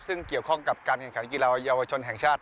ซึ่งเกี่ยวข้องกับการแข่งขันกีฬาเยาวชนแห่งชาติ